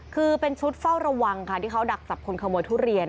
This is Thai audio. คือเป็นชุดเฝ้าระวังค่ะที่เขาดักจับคนขโมยทุเรียน